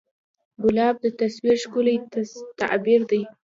ګلاب د تصور ښکلی تعبیر دی.